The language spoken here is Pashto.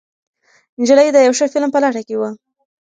نجلۍ د یو ښه فلم په لټه کې وه.